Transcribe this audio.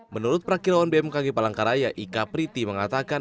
menurut perakirawan bmkg palangkaraya ika priti mengatakan